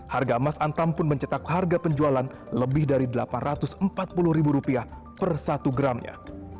harga emas antam pun mencetak harga penjualan lebih dari delapan ratus empat puluh per satu gramnya